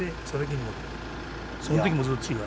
そのときもずっと血が。